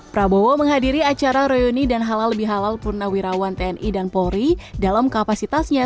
prabowo menghadiri acara royoni dan halal bihalal purnawirawan tni dan polri dalam kapasitasnya